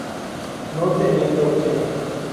No teniendo opción.